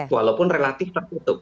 walaupun relatif tertutup